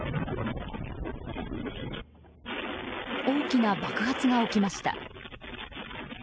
大きな爆発が起きました。